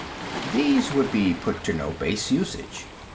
These would be put to no base usage.